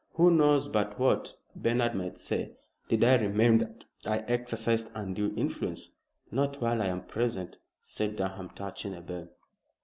Who knows but what Bernard might say, did I remain, that I exercised undue influence?" "Not while I am present," said Durham, touching a bell.